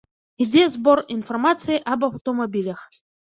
Ідзе збор інфармацыі аб аўтамабілях.